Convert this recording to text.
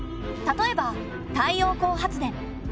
例えば太陽光発電。